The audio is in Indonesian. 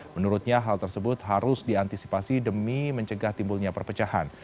menurutnya hal tersebut harus diantisipasi demi mencegah timbulnya perpecahan